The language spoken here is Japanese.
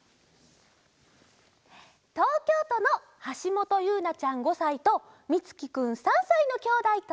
とうきょうとのはしもとゆうなちゃん５さいとみつきくん３さいのきょうだいと。